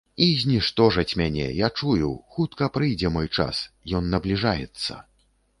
І зніштожаць мяне, я чую, хутка прыйдзе мой час, ён набліжаецца.